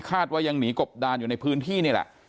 ว่ายังหนีกบดานอยู่ในพื้นที่นี่แหละ